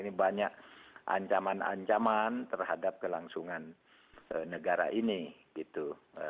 ini banyak ancaman ancaman terhadap kelangsungan negara ini gitu